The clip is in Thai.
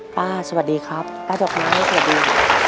สวัสดีครับป้าดอกไม้สวัสดี